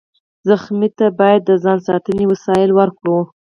ټپي ته باید د ځان ساتنې وسایل ورکړو.